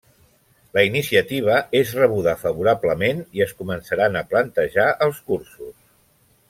La iniciativa és rebuda favorablement i es començaran a plantejar els cursos.